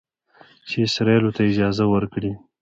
چې اسرائیلو ته اجازه ورکړي